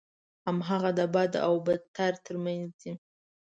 هماغه د بد او بدتر ترمنځ دی.